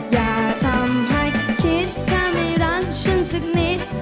อย่าทำให้คิดเธอไม่รักฉันสักนิด